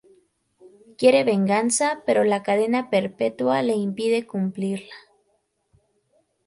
Quiere venganza, pero la cadena perpetua le impide cumplirla.